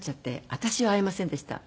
私は合いませんでした。